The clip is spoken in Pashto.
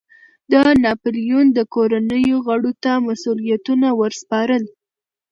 د ناپلیون د کورنیو غړو ته مسوولیتونو ور سپارل.